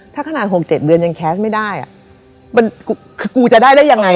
ถ้าขนาด๖๗เดือนยังแคสติ้งไม่ได้